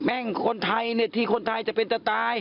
แม่งคนไทยเนี่ยที่คนไทยจะเป็นแต่ตาย